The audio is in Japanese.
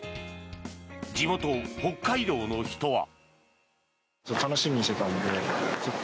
地元・北海道の人は。